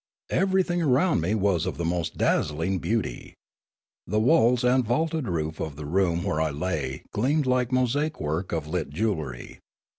Everything around me was of the most dazzling beauty. The walls and vaulted roof of the room where I lay gleamed like mosaic work of lit jewellery.